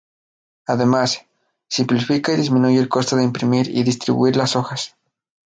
Además, simplifica y disminuye el costo de imprimir y distribuir las hojas.